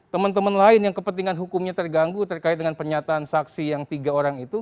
teman teman lain yang kepentingan hukumnya terganggu terkait dengan penyataan saksi yang tiga orang itu